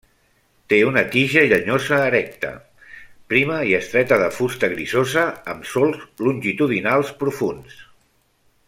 Té una tija llenyosa erecta, prima i estreta de fusta grisosa amb solcs longitudinals profunds.